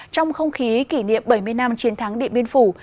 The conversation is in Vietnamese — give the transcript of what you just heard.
trong không khí kỷ niệm bảy mươi năm chiến thắng điện biên phủ